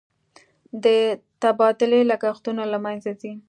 د تبادلې لګښتونه له مینځه ځي.